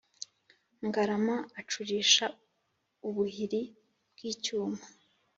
Ngarama acurisha ubuhiri bw’icyuma,